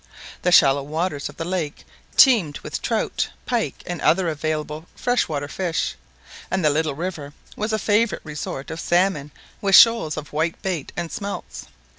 The shallow waters of the lake teemed with trout, pike, and other available fresh water fish; and the little river was a favourite resort of salmon and shoals of white bait and smelts.